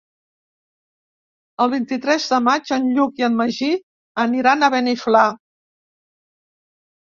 El vint-i-tres de maig en Lluc i en Magí aniran a Beniflà.